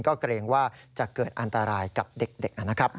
ก็เกรงว่าจะเกิดอันตรายกับเด็กนะครับ